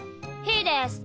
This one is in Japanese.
ひーです。